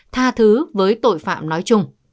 tha thứ với tội phạm nói chung